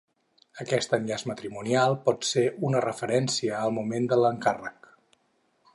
Aquest enllaç matrimonial pot ser una referència al moment de l'encàrrec.